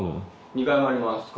２階もあります。